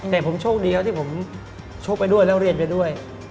แต่ผมโชคดีครับที่ผมชกไปด้วยแล้วเรียนไปด้วย